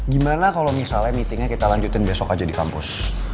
gimana kalau misalnya meetingnya kita lanjutin besok aja di kampus